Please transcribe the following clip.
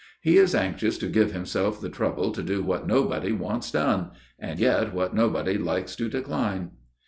He is anxious to give himself the trouble to do what nobody wants done, and yet what nobody likes to decline.